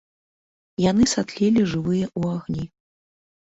Яны сатлелі жывыя ў агні.